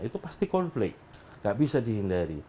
itu pasti konflik gak bisa dihindari